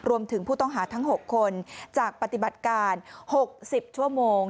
รวมถึงผู้ต้องหาทั้ง๖คนจากปฏิบัติการ๖๐ชั่วโมง